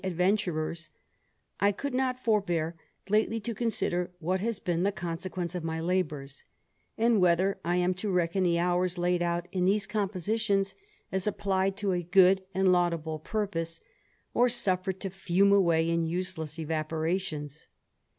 Adventurers^ I could not forbear lately to consider what I&j: been the consequence of my labours ; and whether I am I reckon the hours laid out in these compositions, as applie to a good and laudable purpose, or suffered to fume awaj in useless evaporations.